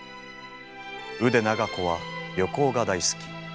腕長子は旅行が大好き。